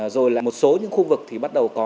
rồi là một số những khu vực thì bắt đầu có